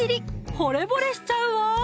ほれぼれしちゃうわ！